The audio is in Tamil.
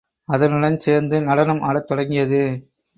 அதனுடன் சேர்ந்து நடனம் ஆடத் தொடங்கியது.